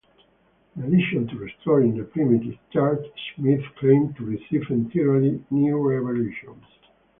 In addition to restoring the primitive church, Smith claimed to receive entirely new revelations.